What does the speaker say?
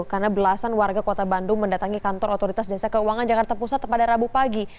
karena belasan warga kota bandung mendatangi kantor otoritas jasa keuangan jakarta pusat pada rabu pagi